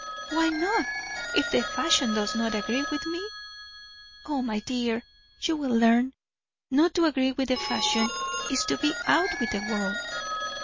"Why not, if the fashion does not agree with me?" "O my dear, you will learn. Not to agree with the fashion, is to be out with the world."